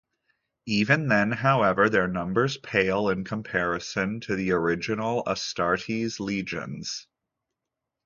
Even then however, their numbers pale in comparison to the original Astartes Legions.